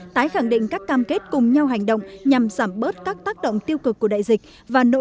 tái khẳng định các cam kết cùng nhau hành động nhằm giảm bớt các tác động tiêu cực của đại dịch và nỗ